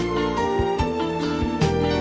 và dịch bệnh nhân